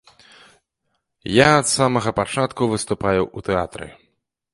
Я ад самага пачатку выступаю ў тэатры.